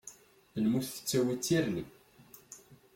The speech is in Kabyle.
Lmut tettawi d tirni.